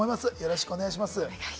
よろしくお願いします。